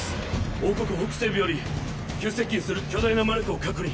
王国北西部より急接近する巨大な魔力を確認。